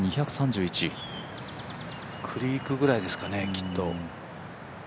クリークぐらいですかね。